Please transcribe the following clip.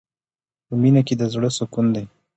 په مینه کې د زړه سکون دی.